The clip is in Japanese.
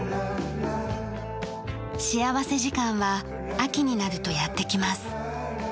幸福時間は秋になるとやって来ます。